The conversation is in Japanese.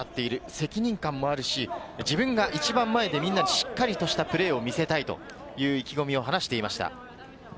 責任感もあるし、自分が一番前でしっかりとしたプレーを見せたいという意気込みを話していました。